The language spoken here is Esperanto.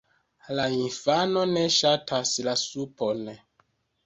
La infano ne ŝatas la supon.